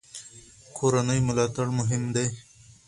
کورنۍ ملاتړ مهم دی.